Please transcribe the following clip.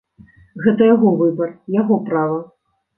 Гэта яго выбар, яго права.